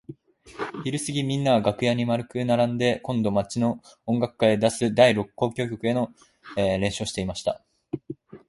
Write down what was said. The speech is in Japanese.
ひるすぎみんなは楽屋に円くならんで今度の町の音楽会へ出す第六交響曲の練習をしていました。